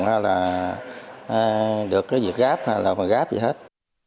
hay là được cái việc gáp hay là mình gáp gì hết